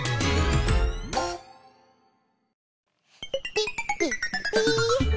ピッピッピ！